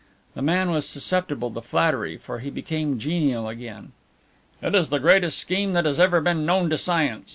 The man was susceptible to flattery, for he became genial again. "It is the greatest scheme that has ever been known to science.